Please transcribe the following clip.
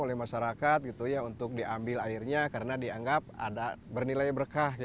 oleh masyarakat gitu ya untuk diambil airnya karena dianggap ada bernilai berkah